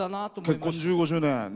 結婚１５周年。